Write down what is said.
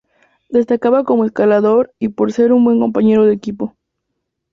Destacaba como escalador y por ser un buen compañero de equipo.